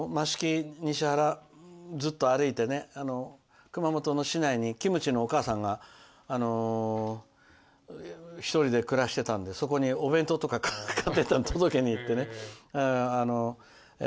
それで、益城町を歩いて熊本の市内にキムチのお母さんが１人で暮らしてたのでそこにお弁当とか届けにいってね。